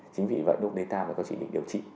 chính vì vậy lúc đấy ta phải có triệu chứng để điều trị